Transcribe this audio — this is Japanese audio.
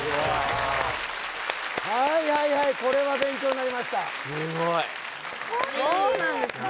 はいはいはいこれは勉強になりましたそうなんですね